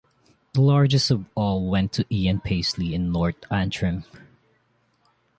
The largest of all went to Ian Paisley in North Antrim.